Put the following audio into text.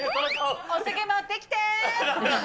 お酒持ってきてぇ。